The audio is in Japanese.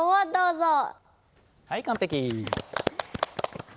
はい完璧！